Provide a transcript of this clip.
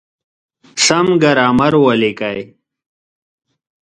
سم ګرامر وليکئ!.